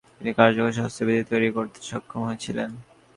তিনি কার্যকর স্বাস্থ্যবিধি তৈরি করতে সক্ষম হয়েছিলেন।